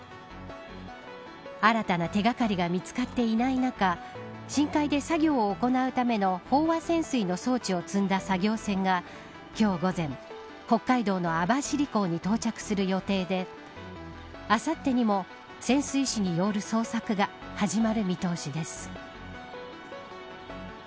新たな手掛かりが見つかっていない中深海で作業を行うための飽和潜水の装置を積んだ作業船が今日午前、北海道の網走港に到着する予定であさってにも潜水士による捜索が始まる見通しです。